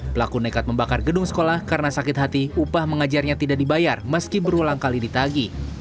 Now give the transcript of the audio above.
pelaku nekat membakar gedung sekolah karena sakit hati upah mengajarnya tidak dibayar meski berulang kali ditagi